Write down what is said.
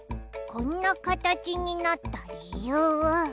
こんなかたちになったりゆう！